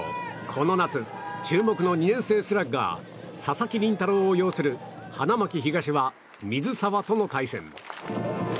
この夏、注目の２年生スラッガー佐々木麟太郎を擁する花巻東は水沢との対戦。